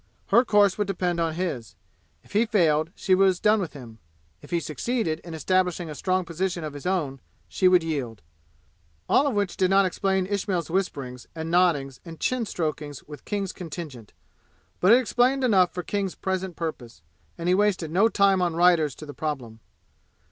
Her course would depend on his. If he failed, she was done with him. If he succeeded in establishing a strong position of his own, she would yield. All of which did not explain Ismail's whisperings and noddings and chin strokings with King's contingent. But it explained enough for King's present purpose, and he wasted no time on riders to the problem.